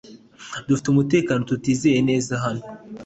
Dufite umutekano tutizeye neza hano